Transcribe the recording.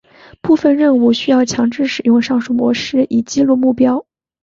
部分任务需要强制使用上述模式以击落目标。